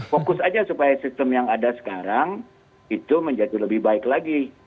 fokus aja supaya sistem yang ada sekarang itu menjadi lebih baik lagi